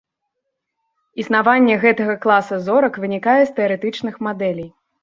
Існаванне гэтага класа зорак вынікае з тэарэтычных мадэлей.